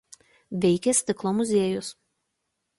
Veikia stiklo muziejus.